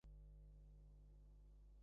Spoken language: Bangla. আমার সাথে যোগা দাও না হয় মরো!